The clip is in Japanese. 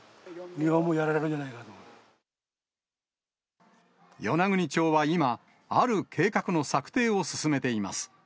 日本もやられるんじゃないかなと与那国町は今、ある計画の策定を進めています。